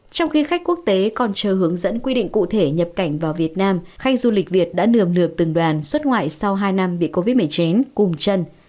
trong khi khách quốc tế còn chờ hướng dẫn quy định cụ thể nhập cảnh vào việt nam khách du lịch việt đã nườm nượp từng đoàn xuất ngoại sau hai năm bị covid một mươi chín cùng chân